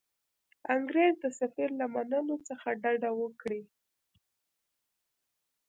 انګرېز د سفیر له منلو څخه ډډه وکړي.